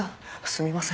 すみません。